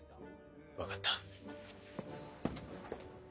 分かった。